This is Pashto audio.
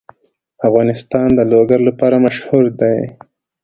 افغانستان د لوگر لپاره مشهور دی.